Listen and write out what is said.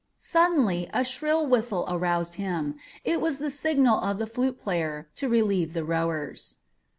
Suddenly a shrill whistle aroused him. It was the signal of the flute player to relieve the rowers.